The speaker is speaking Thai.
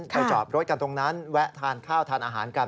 จอดรถกันตรงนั้นแวะทานข้าวทานอาหารกัน